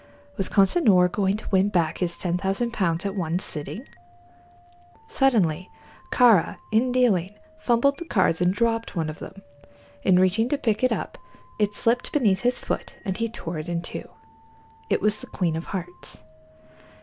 Was Consinor going to win back his ten thousand pounds at one sitting? Suddenly Kāra, in dealing, fumbled the cards and dropped one of them. In reaching to pick it up it slipped beneath his foot and he tore it into two. It was the queen of hearts.